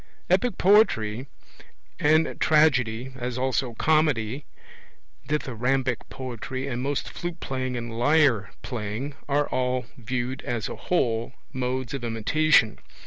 Epic poetry and Tragedy, as also Comedy, Dithyrambic poetry, and most flute playing and lyre playing, are all, viewed as a whole, modes of imitation.